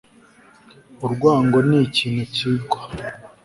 Urwango ni kintu cyigwa